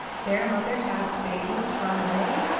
"Dare mother Tab's babies run away.